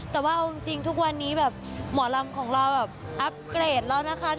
แต่ว่าเอาจริงทุกวันนี้แบบหมอลำของเราแบบอัพเกรดแล้วนะคะ